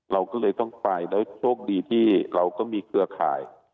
เราก็เลยต้องไปแล้วโชคดีที่เราก็มีเครือข่าย